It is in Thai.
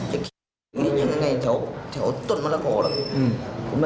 หาลนออกเล่ากันอะครับ